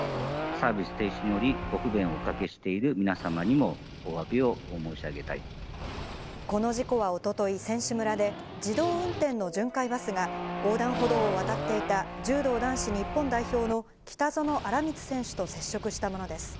サービス停止により、ご不便をおかけしている皆様にも、この事故はおととい、選手村で自動運転の巡回バスが、横断歩道を渡っていた柔道男子日本代表の北薗新光選手と接触したものです。